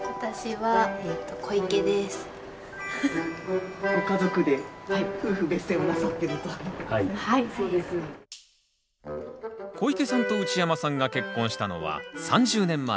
はいそうです。小池さんと内山さんが結婚したのは３０年前。